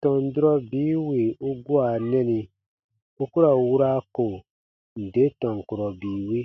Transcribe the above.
Tɔn durɔ bii wì u gua nɛni u ku ra wura ko nde tɔn kurɔ bii wi.